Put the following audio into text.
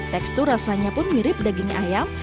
tekstur rasanya pun mirip daging ayam